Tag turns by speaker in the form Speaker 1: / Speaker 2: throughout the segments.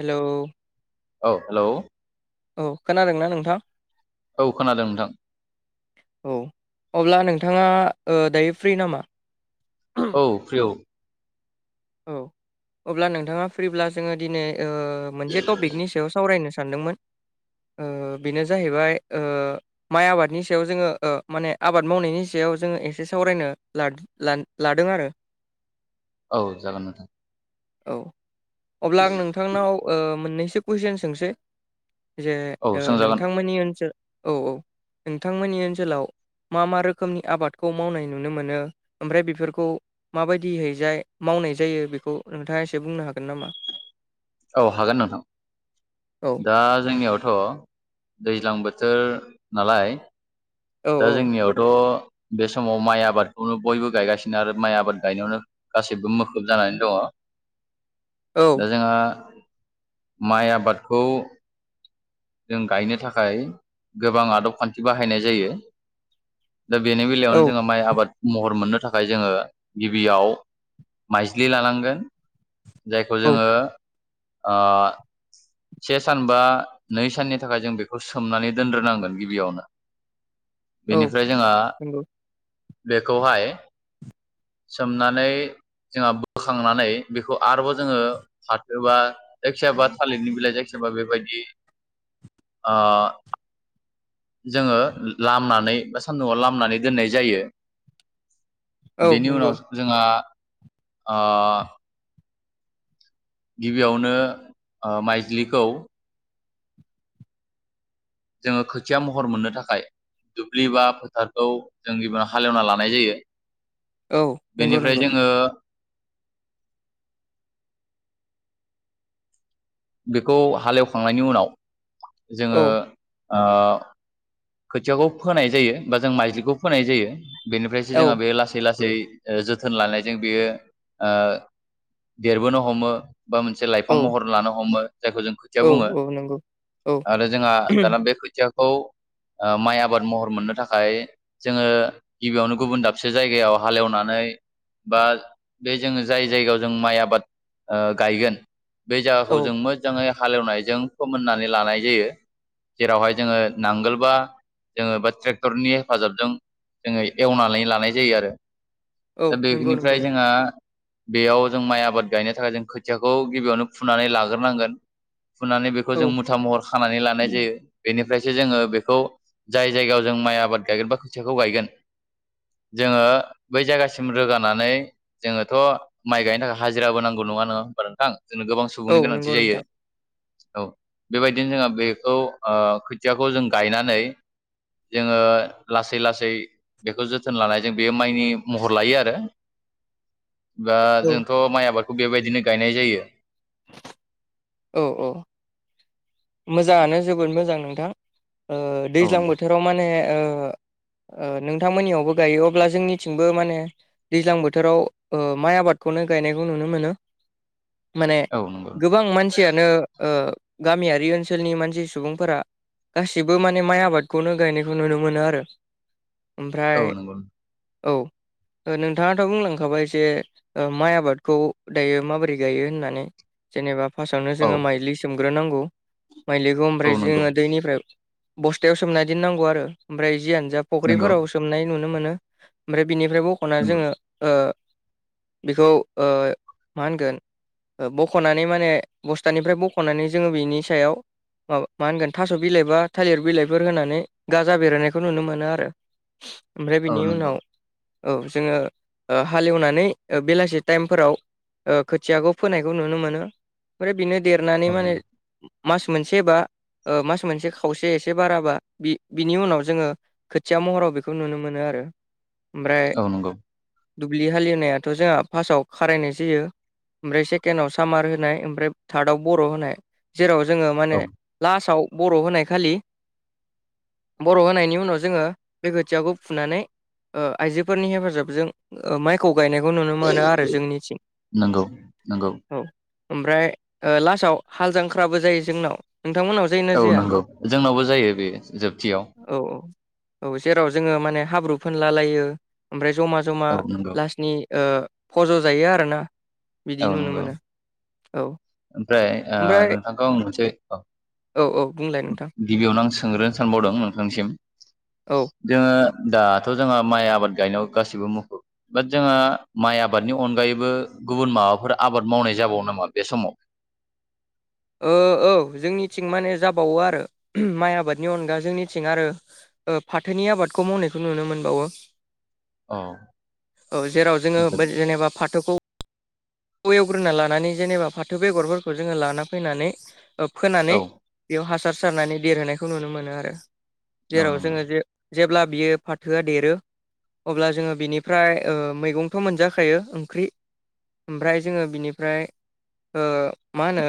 Speaker 1: Hello
Speaker 2: औ hello.
Speaker 1: औ खोनादोंना नोंथां?
Speaker 2: औ खोनादों नोंथां।
Speaker 1: औ अब्ला नोंथाङा ओ दायो फ्रि नामा?
Speaker 2: औ फ्रि
Speaker 1: औ अब्ला नोंथाङा फ्रिब्ला जोङो दिनै ओ मोनसे टपिकनि सायाव सावरायनो सानदोंमोन बेनो जाहैबाय ओ माइ आबादनि सायाव ओ जोङो माने आबाद मावनायनि सायाव जोङो एसे सावरायनो लादों ला-लादों आरो
Speaker 2: औ जागोन नोंथां।
Speaker 1: औ अब्ला आं नोंथांनाव ओ मोननैसो कुइसन सोंसै जे
Speaker 2: औ सोंजागोन
Speaker 1: नोंथांमोननि ओनसोल औ औ नोंथांमोननि ओनसोलाव मा मा रोखोमनि आबादखौ मावनाय नुनो मोनो ओमफ्राय बेफोरखौ माबायदि हैजाय मावनाय जायो बेखौ नोंथाङा एसे बुंनो हागोन नामा?
Speaker 2: औ हागोन नोंथां
Speaker 1: औ
Speaker 2: दा जोंनियावथ' दैज्लां बोथोर नालाय
Speaker 1: औ
Speaker 2: दा जोंनियावथ' बे समाव माइ आबादखौनो बयबो गायगासिनो आरो माइ आबाद गायनायावनो गासिबो मोखुब जानानै दङ।
Speaker 1: औ
Speaker 2: दा जोंहा माइ आबादखौ जों गायनो थाखाय गोबां आदब खान्थि बाहायनाय जायो। दा बेनि बेलायावनो जोङो
Speaker 1: औ
Speaker 2: माइ आबाद महर मोननो थाखाय ओमफाय जोङो गिबियाव माइज्लि लानांगोन। जायखौ जोङो ओ से सानबा नै साननि थाखाय जों बेखौ सोमनानै दोनग्रोनांगोन गिबियावनो
Speaker 1: औ
Speaker 2: बेनिफ्राय जोंहा
Speaker 1: नंगौ
Speaker 2: बेखौहाय सोमनानै जोंहा बोखांनानै बेखौ आरोबाव जोङो फाथोबा जायखियाबा थालिरनि बिलाइ जायखियाबा बेबायदि आ जोङो लामनानै बा सान्दुंआव लामनानै दोननाय जायो।
Speaker 1: औ
Speaker 2: बेनि
Speaker 1: नंगौ
Speaker 2: उनाव जोंहा अ गिबियावनो ओ माइज्लिखौ जोङो खोथिया महर मोननो थाखाय दुब्लि बा फोथारखौ जों गिबियाव हालेवना लानाय जायो।
Speaker 1: औ नंगौ
Speaker 2: बेनिफ्राय
Speaker 1: नंगौ
Speaker 2: जोङो बेखौ हालेवखांनायनि उनाव जोङो
Speaker 1: औ
Speaker 2: ओ खोथियाखौ फोनाय जायो बा जों माइज्लिखौ फोनाय जायो बेनिफ्रायसो
Speaker 1: औ
Speaker 2: जोंहा बे लासै लासै जोथोन लानायजों बियो ओ देरबोनो हमो बा मोनसे लाइफां
Speaker 1: औ
Speaker 2: महर लानो हमो जायखौ जों खोथिया
Speaker 1: औ
Speaker 2: बुङो
Speaker 1: औ नंगौ औ
Speaker 2: आरो जोंहा दाना बे खोथियाखौ ओ माइ आबाद महर मोननो थाखाय जोङो गिबियावनो गुबुन दाबसे जायगायाव हालेवनानै बा बे जोङो जाय जायगायाव जों माइ आबाद गायगोन बे
Speaker 1: औ
Speaker 2: जायगाखौ जों मो जाङै हालेवनायजों फोमोननानै लानाय जायो जेराव जोङो नांगोल बा जोङो ट्रेक्टरनि हेफाजाबजों जोङो एवनानै लानाय जायो आरो
Speaker 1: औ
Speaker 2: दा
Speaker 1: नंगौ नंगौ
Speaker 2: बेनिफ्राय जोंहा बेयाव जों माइ आबाद गायनो थाखाय जों खोथियाखौ गिबियावनो फुनानै लाग्रोनांगोन। फुनानै बेखौ
Speaker 1: औ
Speaker 2: जों मुथा महर खानानै लानाय जायो बेनिफ्रायसो जोङो बेखौ खौ जाय जायगायाव जों माइ आबाद गायगोन बा खोथियाखौ गायगोन जोङो बै जायगासिम रोगानानै जोङोथ' माइ गायनो थाखाय हाजिराबो नांगौ नङा नोङा होमबा नोंथां जोंनो गोबां सम
Speaker 1: औ
Speaker 2: सुबुंनि गोनांथि
Speaker 1: नंगौ
Speaker 2: जायो
Speaker 1: नोंथां
Speaker 2: औ बेबायदिनो जोंहा बेखौ ओ खोथियाखौ जों गायनानै जोङो लासै लासै बेखौ जोथोन लानाय जों बेयो माइनि महर लायो आरो
Speaker 1: [unintelligible]
Speaker 2: दा
Speaker 1: औ
Speaker 2: जोंथ' माइ आबादखौ बेबायदिनो गायनाय जायो
Speaker 1: औ औ मोजाङानो
Speaker 2: नोंथां
Speaker 1: जोबोद मोजां नोंथां
Speaker 2: औ
Speaker 1: दैज्लां
Speaker 2: नोंथां
Speaker 1: बोथोर औ माने ओ नोंथांमोननियावबो गायो अब्ला जोंनिथिंबो माने दैज्लां बोथोराव माइ आबादखौनो गायनायखौ नुनो मोनो माने
Speaker 2: औ नंगौ
Speaker 1: गोबां मानसि यानो गामियारि ओनसोलनि मानसि सुबुंफोरा गासिबो माने माइ आबादखौनो गायनायखौ नुनो मोनो आरो ओमफ्राय
Speaker 2: औ नंगौ
Speaker 1: औ नोंथाङाथ' बुंलांखाबाय जे माइ आबादखौ दायो माबोरै गायो होननानै जेनेबा फार्स्टआवनो
Speaker 2: औ
Speaker 1: जोङो माइलि सोमग्रोनांगौ माइलिखौ
Speaker 2: औ
Speaker 1: ओमफ्राय
Speaker 2: नंगौ
Speaker 1: जोङो दैनिफ्राय बस्थायाव सोमनायदिन नांगौ आरो ओमफ्राय जियानो जा
Speaker 2: नंगौ
Speaker 1: फख्रिफोराव सोमनाय नुनो मोनो ओमफ्राय बिनिफ्राय बख'ना
Speaker 2: नंगौ
Speaker 1: जोङो बेखौ मा होनगोन बख'नानै माने बस्थानिफ्राय बख'नानै जोङो बिनि सायाव माबा मा होनगोन थास' बिलाइ बा थालिर बिलाइफोर होनानै गाजा बेरायनायखौ नुनो मोनो आरो ओमफ्राय
Speaker 2: औ
Speaker 1: बिनि
Speaker 2: नंगौ
Speaker 1: उनाव औ जोङो हालेवनानै बेलासि टाइमफोराव खोथियाखौ फोनायखौ नुनो मोनो ओमफ्राय बिनो देरनानै
Speaker 2: औ
Speaker 1: माने मास मोनसेबा मास मोनसे खावसे एसे बाराबा बि बिनि उनाव जोङो खोथिया महराव बेखौ नुनो मोनो आरो ओमफ्राय
Speaker 2: औ नंगौ
Speaker 1: दुब्लि हालिवनायाथ' जोंहा फार्स्टआव खारायनाय जायो ओमफ्राय सेकेणडआव सामार होनाय ओमफ्राय थार्डआव बर' होनाय जेराव जोङो माने
Speaker 2: औ
Speaker 1: लास्टाव बर' होनाय खालि बर' होनायनि उनाव जोङो बे खोथियाखौ फुनानै आइजोफोरनि हेफाजाबजों माइखौ गायनायखौ नुनो मोनो आरो जोंनिथिं
Speaker 2: नंगौ नंगौ
Speaker 1: औ ओमफ्राय लास्टाव हाल जांख्राबो जायो जोंनाव नोंथांमोननाव जायोना
Speaker 2: औ
Speaker 1: जाया
Speaker 2: नंगौ जोंनावबो जायो बे जोबथियाव
Speaker 1: औ औ औ जेराव जोङो माने हाब्रु फोनला लायो ओमफ्राय जमा जमा
Speaker 2: औ नंगौ
Speaker 1: लास्टनि फज' जायो आरोना बिदि
Speaker 2: औ
Speaker 1: नुनो
Speaker 2: नंगौ
Speaker 1: मोनो औ
Speaker 2: ओमफ्राय
Speaker 1: ओमफ्राय
Speaker 2: नोंथांखौ आं मोनस औ
Speaker 1: औ औ बुंलाय नोंथां
Speaker 2: गिबियावनो आं सोंग्रोनो सानबावदों नोंथांसिम
Speaker 1: औ
Speaker 2: जोङो दाथ' जोंहा माइ आबाद गायनायाव गासिबो मुखुब बा जोंहा माइ आबादनि अनगायैबो गुबुन माबाफोर आबाद मावनाय जाबावो नामा बे समाव
Speaker 1: औ जोंनिथिं माने जाबावो आरो माइ आबादनि अनगा जोंनिथिं आरो फाथोनि आबादखौ मावनायखौ नुनो मोनबावो
Speaker 2: औ
Speaker 1: औ जेराव जोङो जेनेबा फाथौखौ एवग्रोना लानानै जेनेबा फाथो बेगरफोरखौ जोङो लाना फैनानै
Speaker 2: औ
Speaker 1: फोनानै बेयाव हासार सारनानै देरहोनायखौ नुनो मोनो आरो
Speaker 2: औ
Speaker 1: जेराव
Speaker 2: नंगौ
Speaker 1: जोङो जे जेब्ला बियो फाथोआ देरो अब्ला जोङो बिनिफ्राय मैगंथ' मोनजाखायो ओंख्रि ओमफ्राय जोङो बिनिफ्राय मा होनो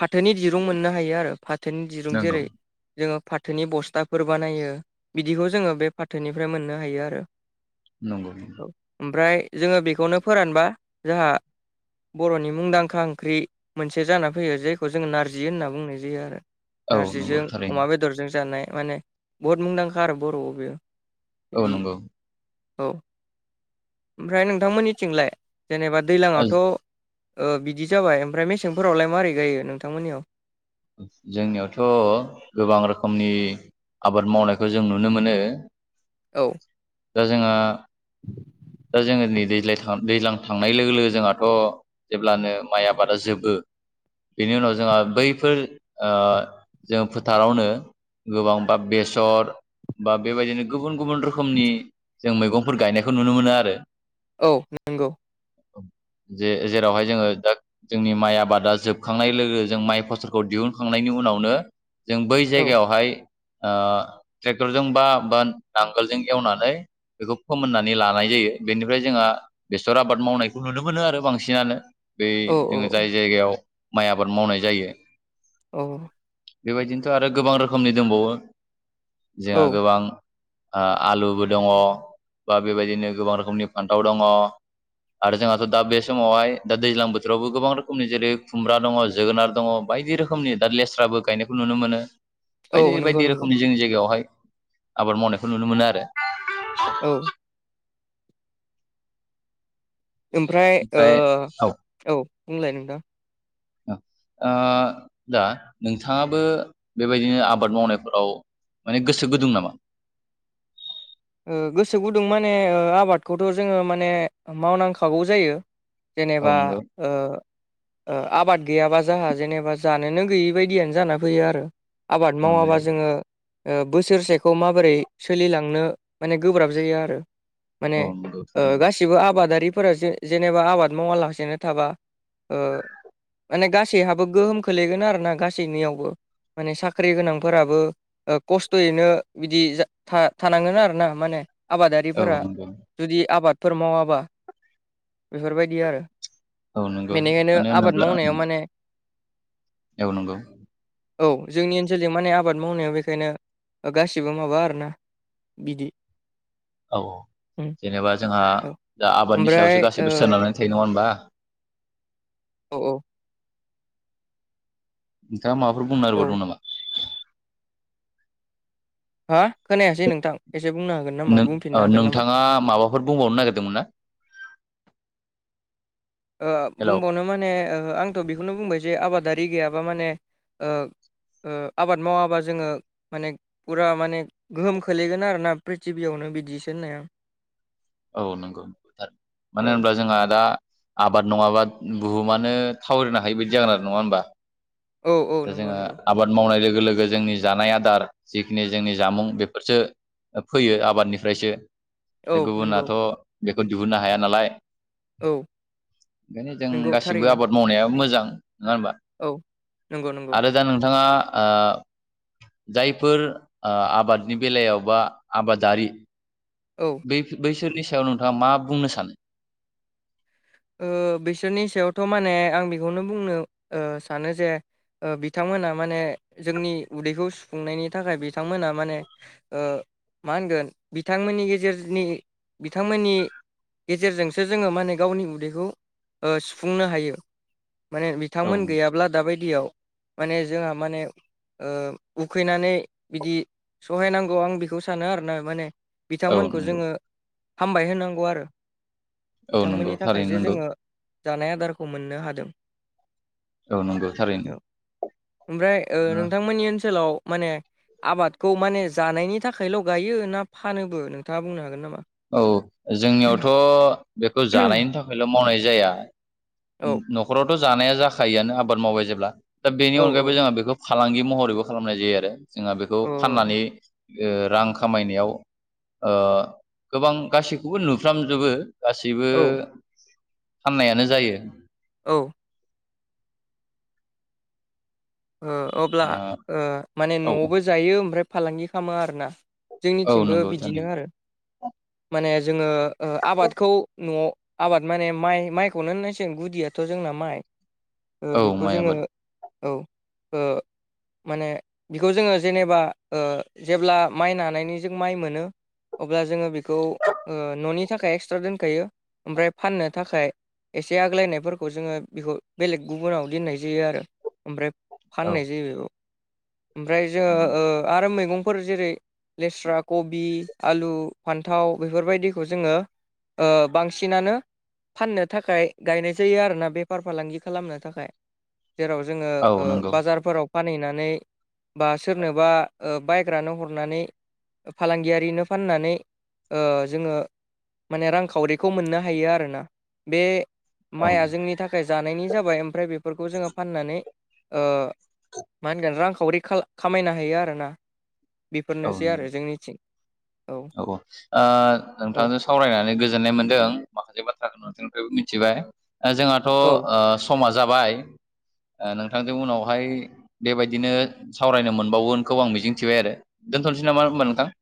Speaker 1: फाथोनि दिरुं मोननो हायो आरो फाथोनि दिरुं
Speaker 2: नंगौ
Speaker 1: जेरै जोङो फाथोनि बस्थाफोर बानायो बिदिखौ जोङो बे फाथोनिफ्राय मोननो हायो आरो
Speaker 2: नंगौ
Speaker 1: औ ओमफ्राय जोङो बेखौनो फोरानबा जोंहा बर नि मुंदांखा ओंख्रि मोनसे जाना फैयो जेखौ जोङो नारजि होनना बुंनाय जायो आरो
Speaker 2: औ नंगौ
Speaker 1: नारजिजों
Speaker 2: थारैनो
Speaker 1: अमा बेदरजों जानाय माने बहुद मुंदांखा आरो बर आव बेयो
Speaker 2: औ
Speaker 1: बिदि
Speaker 2: नंगौ
Speaker 1: औ ओमफ्राय नोंथांमोननि थिंलाय जेनेबा दैलांवाथ ओ बिदि जाबाय ओमफ्राय मेसेंफोरावलाय मारै गायो नोंथांमोननियाव
Speaker 2: जोंनियावथ गोबां रोखोमनि आबाद मावनायखौ जों नुनो मोनो
Speaker 1: औ
Speaker 2: दा जोंहा
Speaker 1: [inaudible]
Speaker 2: दा जोङो नै दैज्लाय दैज्लां थांनाय लोगो लोगो जोंहाथ जेब्लानो माइ आबादा जोबो बेनि उनाव जोंहा बैफोर ओ जों फोथारावनो गोबांबा बेसर बा बेबायदिनो गुबुन गुबुन रोखोमनि जों मैगंफोर गायनायखौ नुनो मोनो आरो
Speaker 1: औ नोंगौ
Speaker 2: जे जेरावहाय जोङो दा जोंनि माइ आबादा जोबखांनाय लोगो जों माइ फसलखौ दिहुनखांनायनि उनावनो जों बै
Speaker 1: औ
Speaker 2: जायगायावहाय ओ ट्रेक्टरजों बा बा नांगोलजों एवनानै बेखौ फोमोनना नै लानाय जायो बेनिफ्राय जोंहा बेसर आबाद मावनायखौ नुनो मोनो आरो बांसिनानो बे
Speaker 1: औ औ
Speaker 2: जोङो जाय जायगायाव माइ आबाद मावनाय जायो
Speaker 1: औ
Speaker 2: बेबायदिनोथ आरो गोबां रोखोमनि दंबावो जोहा
Speaker 1: औ
Speaker 2: गोबां आं आलुबो दङ बा बेबायदिनो गोबां रोखोमनि फान्थाव दङ आरो जोंहाथ दा बे समावहाय दा दैज्लां बोथोरावबो गोबां रोखोमनि जेरै खुमब्रा दङ जोगोनार दङ बायदि रोखोमनि दा लेस्राबो गायनायखौ नुनो मोनो
Speaker 1: औ
Speaker 2: बायदि
Speaker 1: नंगौ
Speaker 2: बायदि
Speaker 1: नंगौ
Speaker 2: रोखोमनि जोंनि जायगायावहाय आबाद मावनायखौ नुनो मोनो आरो
Speaker 1: औ ओमफ्राय ओ औ बुंलाय नोंथां
Speaker 2: [unintelligible] दा नोंथाङाबो बेबायदिनो आबाद मावनायफोराव माने गोसो गुदुं नामा?
Speaker 1: ओ गोसो गुदुं माने ओ आबादखौथ जोङो माने मावनांखागौ जायो
Speaker 2: औ
Speaker 1: जेनेबा
Speaker 2: नंगौ
Speaker 1: ओ ओ आबाद गैयाबा जोंहा जेनेबा जानोनो गैयि बायदियानो जाना फैयो आरो आबाद
Speaker 2: औ
Speaker 1: मावाबा
Speaker 2: नंगौ
Speaker 1: जोङो ओ बोसोरसेखौ माबोरै सोलिलांनो माने गोब्राब जायो आरो माने
Speaker 2: औ नंगौ
Speaker 1: ओ‌
Speaker 2: थारैनो
Speaker 1: गासि सिबो आबादारिफोरा जे जेनेबा आबाद मावालासेनो थाबा ओ माने गासैहाबो गोहोम खोलैगोन आरो ना गासैनियावबो माने साख्रि गोनांफोराबो ओ खस्थ यैनो बिदि जा था-थानांगोन आरो ना माने
Speaker 2: औ
Speaker 1: आबादारिफोरा
Speaker 2: नंगौ
Speaker 1: जुदि आबादफोर मावाबा बेफोरबायदि आरो
Speaker 2: औ नंगौ
Speaker 1: बेनिखायनो
Speaker 2: मानो
Speaker 1: आबाद
Speaker 2: होनोब्ला
Speaker 1: मावनायाव माने
Speaker 2: औ नंगौ
Speaker 1: औ जोंनि ओनसोलजों माने आबाद मावनायाव बेखायनो ओ गासिबो माबा आरोना बिदि
Speaker 2: औ
Speaker 1: उम
Speaker 2: जेनेबा जोंहा
Speaker 1: औ
Speaker 2: दा आबादनि
Speaker 1: ओमफ्राय
Speaker 2: सायावसो गासैबो
Speaker 1: ओ
Speaker 2: सोनारनानै थायो नङा होनबा?
Speaker 1: औ औ
Speaker 2: नोंथाङा माबाफोर बुंनो
Speaker 1: औ
Speaker 2: नागिरबावदोंमोन नामा?
Speaker 1: होा खोनायासै नोंथां एसे बुंनो हागोन नामा बुंफिननो हागोन नामा?
Speaker 2: थाङा माबा फोर बुंबावनो नागिरदोंमोन ना? हेलौ
Speaker 1: बुंबावनो माने आंथ' बेखौनो बुंबाय जे आबादारि गैयाबा माने ओ ओ आबाद मावाबा जोङो माने फुरा माने गोहोम खोलैगोन आरोना प्रिथिबियावनो बिदिसो होननाया
Speaker 2: औ नंगौ नंगौथार
Speaker 1: औ
Speaker 2: मानो होनब्ला जोंहा दा आबाद नङाबा बुहुमानो थावरिनो हायोि बायदि जागोन आरो नङा होमबा?
Speaker 1: औ औ
Speaker 2: दा
Speaker 1: नंगौ
Speaker 2: जोंहा
Speaker 1: नंगौ
Speaker 2: आबाद मावनाय लोगो लोगो जोंनि जानाय आदार जिखिनि जोंनि जामुं बेफोरसो फैयो आबादनिफ्रायसो
Speaker 1: औ नंगौ
Speaker 2: गुबुनाथ' बेखौ दिहुननो हाया नालाय।
Speaker 1: औ
Speaker 2: ओंखायनो जों
Speaker 1: नंगौ
Speaker 2: गासिबो
Speaker 1: थारैनो
Speaker 2: आबाद मावनाया मोजां नोङा होमबा
Speaker 1: औ नंगौ नंगौ
Speaker 2: आरो दा नोंथाङा ओ जायफोर ओ आबादनि बेलायाव बा आबादारि
Speaker 1: औ
Speaker 2: ब बैसोरनि सायाव नोंथाङा मा बुंनो सानो?
Speaker 1: ओ बिसोरनि सायावथ माने आं बेखौनो बुंनो ओ सानो जे ओ बिथांमोना माने जोंनि उदैखौ सुफुंनायनि थाखाय बिथांमोना माने ओ मा होनगोन बिथांमोननि गेजेरनि बिथांमोननि गेजेरजोंसो जोङो माने गावनि उ दैखौ सुफुंनो हायो माने
Speaker 2: औ
Speaker 1: बिथांमोन गैयाब्ला दाबायदियाव माने जोंहा माने ओ उखैनानै बिदि सहायनांगौ आं बेखौ सानो आरो ना माने
Speaker 2: औ
Speaker 1: बिथांमोनखौ
Speaker 2: नंगौ
Speaker 1: जोङो हामबाय होनांगौ आरो
Speaker 2: औ नंगौ
Speaker 1: बिथांमोननि
Speaker 2: थारैनो
Speaker 1: थाखायसो
Speaker 2: नंगौ
Speaker 1: जोङो जानाय आदारखौ मोननो हादों।
Speaker 2: औ नंगौ थारैनो।
Speaker 1: औ ओमफ्राय ओ नोंथांमोननि ओनसोलाव माने आबादखौ माने जानायनि थाखायल गायो ना फानोबो नोंथाङा बुंनो हागोन नामा?
Speaker 2: औ जोंनियावथ बेखौ जानायनि थाखायल मावनाय जाया।
Speaker 1: औ
Speaker 2: नखरावथ जानाया जाखायोआनो आबाद मावबाय जेब्ला दा बेनि
Speaker 1: औ
Speaker 2: अनगायैबो जोंहा बेखौ फालांगि महरैबो खालामनाय जायो आरो जोंहा बेखौ
Speaker 1: औ
Speaker 2: फाननानै ओ रां खामायनायाव ओ गोबां गासैखौबो नुफ्रामजोबो। गासैबो
Speaker 1: औ
Speaker 2: फाननायानो जायो।
Speaker 1: औ ओ अब्लाओ माने
Speaker 2: ओ औ
Speaker 1: नआवबो जायो ओमफ्राय फालांगि खालामो आरोना?
Speaker 2: औ
Speaker 1: जोंनिथिंबो
Speaker 2: नंगौ थारैनो
Speaker 1: बिदिनो आरो माने जोङोओ आबादखौ नआव आबाद माने माइ माइखौनो होननांसिगोन गुदियाथ जोंना माइओ
Speaker 2: औ
Speaker 1: बेखौ
Speaker 2: माइ आबाद
Speaker 1: जोङो औ ओ माने बेखौ जोङो जेनेबा ओ जेब्ला माइ नानायनि जों माइ मोनो अब्ला जोङो बेखौ ओ ननि थाखाय एक्सट्रा दोनखायो ओमफ्राय फाननो थाखाय एसे आग्लायनायफोरखौ जोङो बेखौ बेलेग गुबुनाव दोननाय जायो आरो ओमफ्राय
Speaker 2: औ
Speaker 1: फाननाय जायो बेयाव ओमफ्राय जोङो
Speaker 2: उम
Speaker 1: ओ आरो मैगं फोर जेरै लेस्रा कबि आलु फान्थाव बेफोरबायदिखौ जोङो ओ बांसिनानो फाननो थाखाय गायनाय जायो आरोना बेफार फालांगि खालामनो थाखाय जेराव जोङो
Speaker 2: औ
Speaker 1: ओ
Speaker 2: नंगौ
Speaker 1: बाजारफोराव फानहैनानै बा सोरनोबा बायग्रानो हरनानै फालांगियारिनो फाननानै ओ जोङो माने रांखावरिखौ मोननो हायो आरो ना। बे
Speaker 2: औ
Speaker 1: माइआ जोंनि थाखाय जानायनि जाबाय ओमफ्राय बेफोरखौ जोङो फाननानै ओ मा होनगोन रांखावरि खाल खामायना होयो आरोना। बेफोरनोसै
Speaker 2: नंगौ
Speaker 1: आरो जोंनिथिं औ।
Speaker 2: ओ
Speaker 1: औ
Speaker 2: नोंथांजों सावरायनानै गोजोननाय मोनदों माखासे बाथ्राखौ। ओ जोंहाथ'
Speaker 1: औ
Speaker 2: ओ समा जाबाय। ओ नोंथांजों उनावहाय बेबायदिनो सावरायनो मोनबावगोनखौ आं मिजिंथिबाय आरो। दोनथ'नोसै नामा होनबा नोंथां?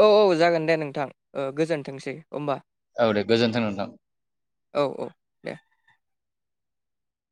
Speaker 1: औ औ जागोन दे नोंथां ओ गोजोन्थोंसै होमबा।
Speaker 2: औ दे गोजोन्थों नोंथां।
Speaker 1: औ औ। दे